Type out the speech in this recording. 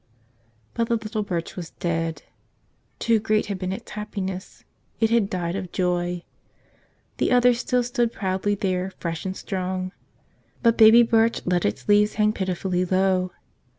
But the little Birch was dead. Too great had been its happiness : it had died of joy. The others still stood proudly there, fresh and strong. But baby Birch let its leaves hang pitifully low.